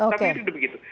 tapi ini udah begitu